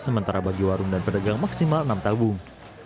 sementara bagi warung dan pedagang maksimal enam tabung